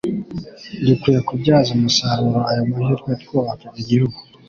dukwiye kubyaza umusaruro ayo mahirwe twubaka igihugu